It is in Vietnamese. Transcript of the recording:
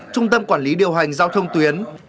trung tâm quản lý điều hành giao thông tuyến